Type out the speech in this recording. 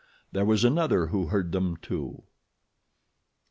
There was another who heard them, too.